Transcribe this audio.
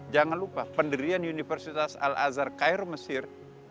jangan lupa pendirian universitas al azhar khair mesir